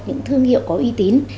những thương hiệu có uy tín